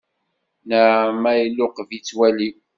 Nnaɛma iluqeb-itt walim.